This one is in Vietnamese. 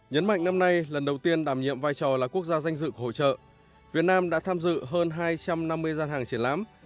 nhấn mạnh năm nay lần đầu tiên đảm nhiệm vai trò là quốc gia danh dự của hội trợ việt nam đã tham dự hơn hai trăm năm mươi gian hàng triển lãm